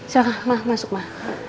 silahkan mas masuk ma